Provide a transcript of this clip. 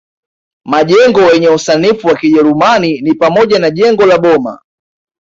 Majengo yenye usanifu wa kijerumani ni pamoja na jengo la Boma